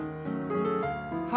は